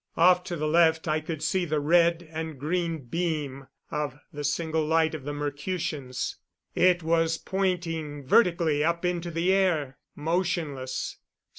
Off to the left I could see the red and green beam of the single light of the Mercutians; it was pointing vertically up into the air, motionless.